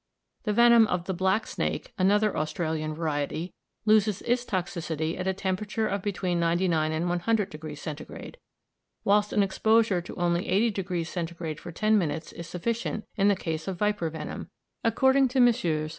The venom of the "black snake," another Australian variety, loses its toxicity at a temperature of between 99° and 100° Centigrade; whilst an exposure to only 80° Centigrade for ten minutes is sufficient in the case of viper venom, according to Messrs.